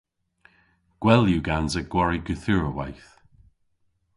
Gwell yw gansa gwari gorthugherweyth.